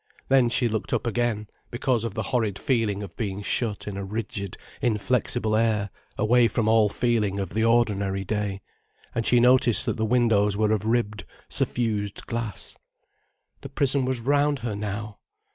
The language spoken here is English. Then she looked up again, because of the horrid feeling of being shut in a rigid, inflexible air, away from all feeling of the ordinary day; and she noticed that the windows were of ribbed, suffused glass. The prison was round her now!